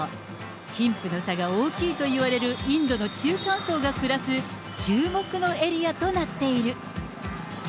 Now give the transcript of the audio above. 貧富の差が大きいといわれるインドの中間層が暮らす、注目のエリアとなっている。